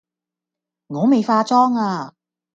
我未化妝呀